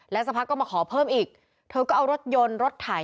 สักพักก็มาขอเพิ่มอีกเธอก็เอารถยนต์รถไถ